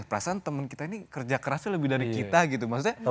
perasaan temen kita ini kerja kerasnya lebih dari kita gitu maksudnya